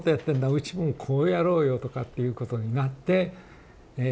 うちもこうやろうよ」とかっていうことになってえ